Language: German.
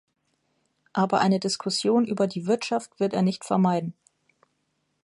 Aber eine Diskussion über die Wirtschaft wird er nicht vermeiden.